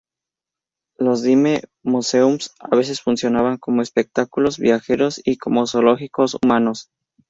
Los dime museums a veces funcionaban como espectáculos viajeros y como zoológicos humanos.